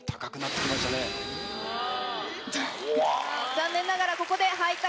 残念ながらここで。